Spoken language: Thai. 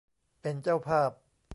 เป็นเจ้าภาพ